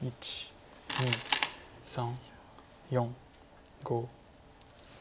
２３４５。